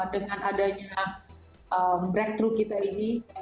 dengan adanya breakthrough kita ini